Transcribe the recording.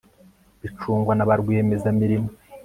bicungwa na ba rwiyemezamirimo